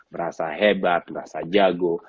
berasa hebat berasa jago